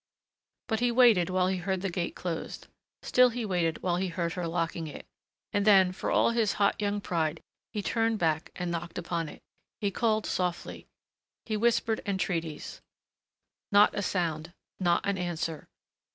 But he waited while he heard the gate closed. Still he waited while he heard her locking it. And then for all his hot young pride, he turned back and knocked upon it. He called softly. He whispered entreaties. Not a sound. Not an answer.